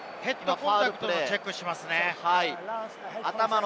ヘッドコンタクトのチェックしますね。